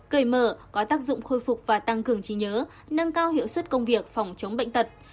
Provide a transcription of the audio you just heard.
cởi mở có tác dụng khôi phục và tăng cường trí nhớ nâng cao hiệu suất công việc phòng chống bệnh tật